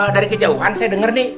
dari kejauhan saya dengar nih